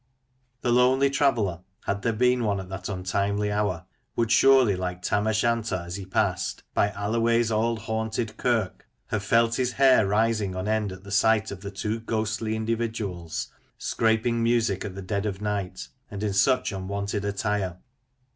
The lonely traveller — had there been one at that untimely hour, — would surely, like Tam o' Shanter as he passed " By Alloway*s auld haunted kirk," have felt his hair rising on end at the sight of the two ghostly individuals scraping music at the dead of night, and in such unwonted attire.